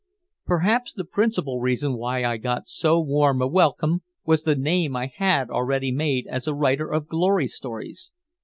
Perhaps the principal reason why I got so warm a welcome was the name I had already made as a writer of glory stories.